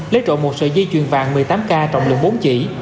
lê trộn một sợi dây chuyền vàng một mươi tám k trọng lượng bốn chỉ